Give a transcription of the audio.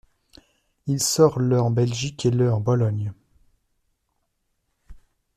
Il sort le en Belgique et le en Pologne.